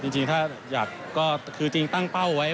จริงถ้าอยากก็คือจริงตั้งเป้าไว้